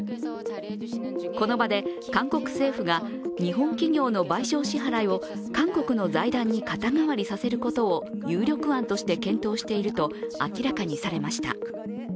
この場で韓国政府が、日本企業の賠償支払いを韓国の財団に肩代わりさせることを有力案として検討していると明らかにされました。